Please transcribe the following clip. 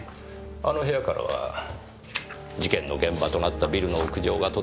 あの部屋からは事件の現場となったビルの屋上がとてもよく見えます。